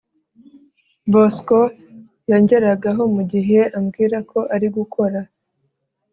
bosco yanjyeragaho mugihe ambwirako ari gukora